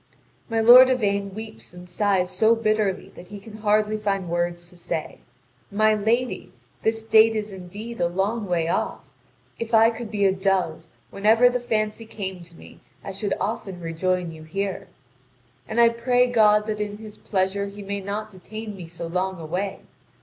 (Vv. 2579 2635.) My lord Yvain weeps and sighs so bitterly that he can hardly find words to say: "My lady, this date is indeed a long way off. If I could be a dove, whenever the fancy came to me, I should often rejoin you here. And I pray God that in His pleasure He may not detain me so long away.